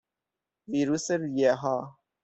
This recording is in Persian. ویروس ریهها